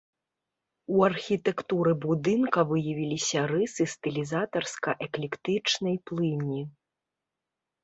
У архітэктуры будынка выявіліся рысы стылізатарска-эклектычнай плыні.